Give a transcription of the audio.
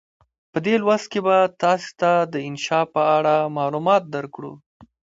په دې لوست کې به تاسې ته د انشأ په اړه معلومات درکړو.